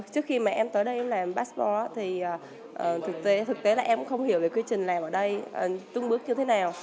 thực tế là em cũng không hiểu về quy trình làm ở đây tương bước như thế nào